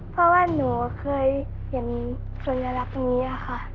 เพราะว่าหนูเคยเห็นสัญลักษณ์นี้ค่ะ